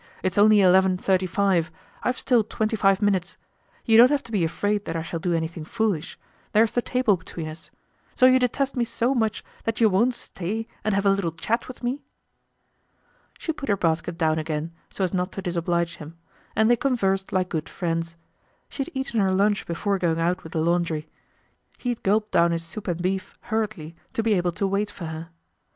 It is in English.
It's only eleven thirty five. I've still twenty five minutes. You don't have to be afraid that I shall do anything foolish; there's the table between us. So you detest me so much that you won't stay and have a little chat with me." She put her basket down again, so as not to disoblige him; and they conversed like good friends. She had eaten her lunch before going out with the laundry. He had gulped down his soup and beef hurriedly to be able to wait for her.